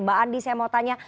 mbak andi saya mau tanya